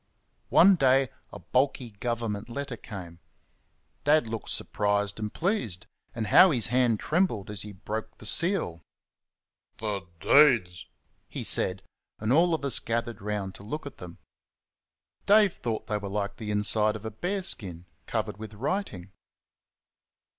One day a bulky Government letter came. Dad looked surprised and pleased, and how his hand trembled as he broke the seal! "THE DEEDS!" he said, and all of us gathered round to look at them. Dave thought they were like the inside of a bear skin covered with writing.